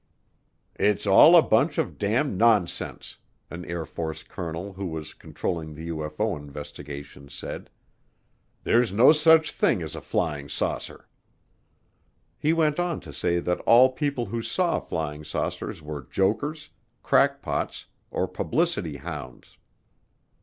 "It's all a bunch of damned nonsense," an Air Force colonel who was controlling the UFO investigation said. "There's no such thing as a flying saucer." He went on to say that all people who saw flying saucers were jokers, crackpots, or publicity hounds.